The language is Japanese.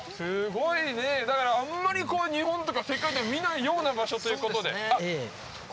だからあんまり日本とか世界では見ないような場所ということで。